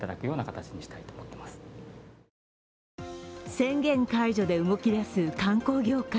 宣言解除で動き出す観光業界。